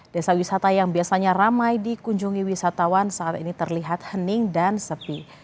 desa wisata yang biasanya ramai dikunjungi wisatawan saat ini terlihat hening dan sepi